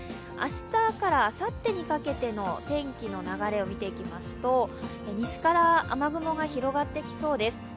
明日からあさってにかけての天気の流れを見ていきますと西から雨雲が広がってきそうです。